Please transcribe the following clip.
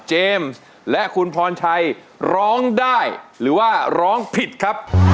และคุณพรชัยร้องได้หรือว่าร้องผิดครับ